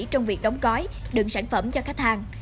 trong việc đóng gói đựng sản phẩm cho khách hàng